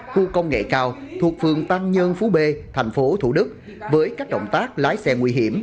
khu công nghệ cao thuộc phường tăng nhân phú b tp thủ đức với các động tác lái xe nguy hiểm